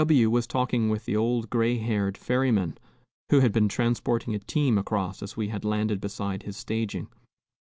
W was talking with the old gray haired ferryman, who had been transporting a team across as we had landed beside his staging.